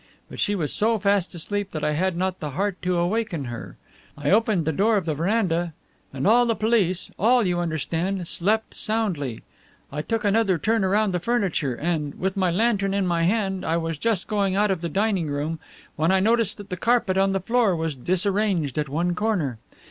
But she was so fast asleep that I had not the heart to awaken her. I opened the door of the veranda, and all the police all, you understand slept soundly. I took another turn around the furniture, and, with my lantern in my hand, I was just going out of the dining room when I noticed that the carpet on the floor was disarranged at one corner.